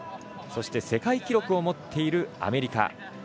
そして世界記録を持っているアメリカ。